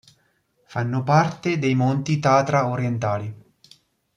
Fanno parte dei Monti Tatra orientali.